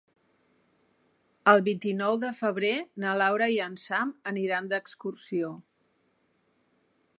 El vint-i-nou de febrer na Laura i en Sam aniran d'excursió.